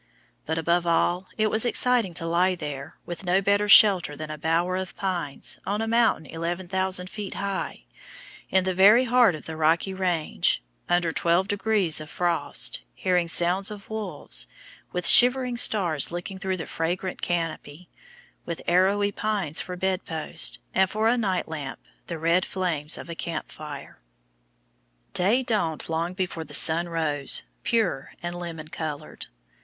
But, above all, it was exciting to lie there, with no better shelter than a bower of pines, on a mountain 11,000 feet high, in the very heart of the Rocky Range, under twelve degrees of frost, hearing sounds of wolves, with shivering stars looking through the fragrant canopy, with arrowy pines for bed posts, and for a night lamp the red flames of a camp fire. Day dawned long before the sun rose, pure and lemon colored.